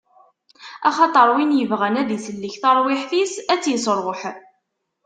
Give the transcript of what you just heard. Axaṭer win yebɣan ad isellek taṛwiḥt-is ad tt-isṛuḥ.